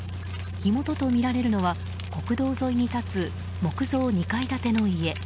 火元とみられるのは国道沿いに建つ木造２階建ての家。